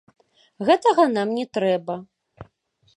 Гэтага нам не трэба.